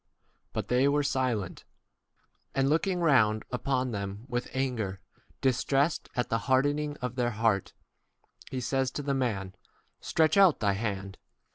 But they were silent, 5 And looking round upon them with anger, distressed y at the harden ing of their heart, he says to the man, Stretch out thy hand.